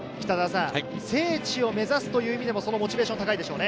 聖地を目指すという意味でもモチベーションが高いでしょうね。